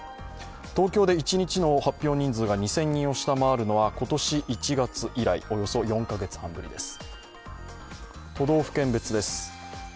東京で一日の発表人数が２０００人を下回るのは今年１月以来、およそ４カ月半ぶりです。